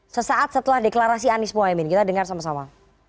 sesaat setelah deklarasi anies mohaimin kita dengar sama sama